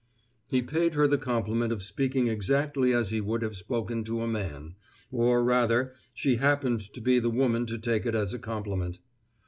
He paid her the compliment of speaking exactly as he would have spoken to a man; or rather, she happened to be the woman to take it as a compliment.